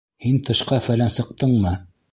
— Һин тышҡа-фәлән сыҡтыңмы?